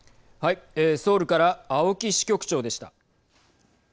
ソウルから青木支局長でした。